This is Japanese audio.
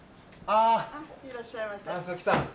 あっいらっしゃいませ。